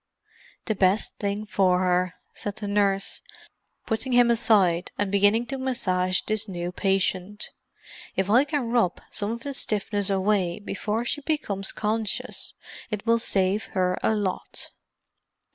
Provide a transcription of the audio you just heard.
"The best thing for her," said the nurse, putting him aside and beginning to massage this new patient. "If I can rub some of the stiffness away before she becomes conscious it will save her a lot.